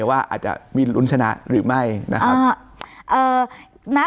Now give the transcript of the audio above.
ว่าอาจจะมีลุ้นชนะหรือไม่นะครับ